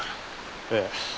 ええ。